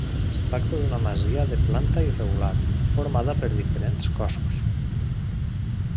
Es tracta d'una masia de planta irregular, formada per diferents cossos.